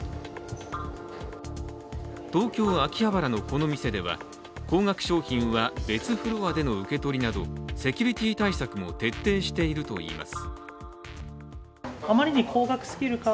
東京・秋葉原のこの店では高額商品は別フロアでの受け取りなどセキュリティー対策も徹底しているといいます。